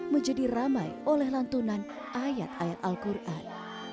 menjadi ramai oleh lantunan ayat ayat al quran